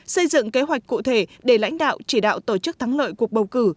xây dựng kế hoạch cụ thể để lãnh đạo chỉ đạo tổ chức thắng lợi cuộc bầu cử